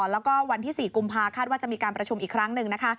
แล้วก็วันที่๔กุมภาคาดว่าจะมีการประชุมอีกครั้งหนึ่งนะคะ